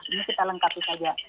ini kita lengkapi saja